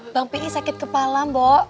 bang pi sakit kepala mbok